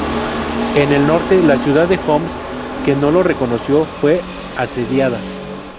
En el norte, la ciudad de Homs, que no lo reconoció, fue asediada.